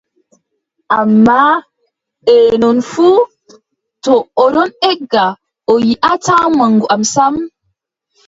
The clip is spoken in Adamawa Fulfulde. Ammaa, bee non fuu, to o ɗon egga, o yiʼataa maŋgu am sam,